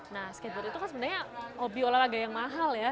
nah skateboard itu kan sebenarnya hobi olahraga yang mahal ya